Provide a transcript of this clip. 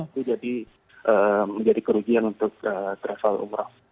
itu jadi menjadi kerugian untuk travel umroh